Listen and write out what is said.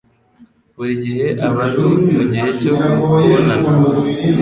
Buri gihe aba ari mugihe cyo kubonana.